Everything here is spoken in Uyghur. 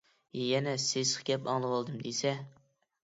يەنە سېسىق گەپ ئاڭلىۋالدىم دېسە.